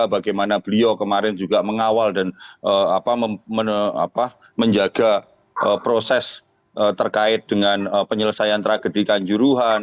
bagaimana beliau kemarin juga mengawal dan menjaga proses terkait dengan penyelesaian tragedi kanjuruhan